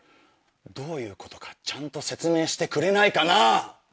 どういうことかちゃんと説明してくれないかな！